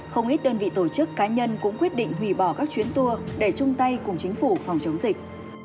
không ít đơn vị tổ chức cá nhân cũng quyết định hủy bỏ các chuyến tour để chung tay cùng chính phủ phòng chống dịch